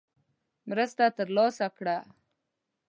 مرسته ترلاسه کړه.